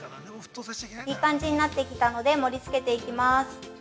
いい感じになってきたので盛り付けていきます。